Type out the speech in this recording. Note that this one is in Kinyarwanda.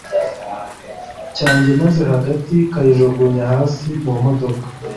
cyanjye maze gahita kayijugunya hasi mu modoka